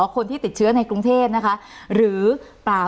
คนที่ติดเชื้อในกรุงเทพนะคะหรือเปล่า